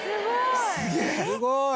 すごーい！